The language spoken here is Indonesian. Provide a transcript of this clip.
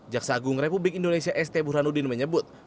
jaksa agung republik indonesia st burhanuddin menyebut